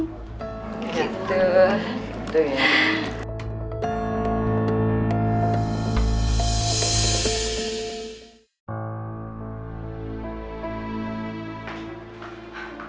gitu gitu ya